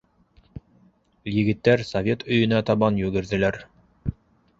Егеттәр совет өйөнә табан йүгерҙеләр.